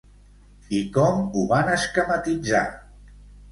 I com ho van esquematitzar?